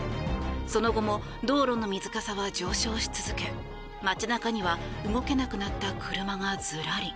その後も道路の水かさは上昇し続け街中には動けなくなった車がズラリ。